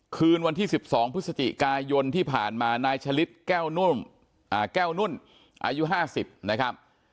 คืนวันที่๑๒พฤศจิกายนที่ผ่านมานายฉลิดแก้วนุ่นอายุ๕๐นะครับ